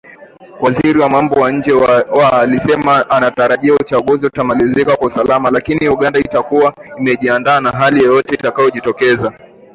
Waziri wa Mambo ya Nje wa alisema anatarajia uchaguzi utamalizika kwa usalama, lakini Uganda itakuwa imejiandaa na hali yoyote itakayojitokeza.